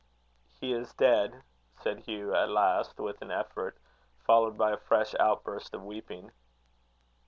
"He is dead!" said Hugh, at last, with all effort, followed by a fresh outburst of weeping.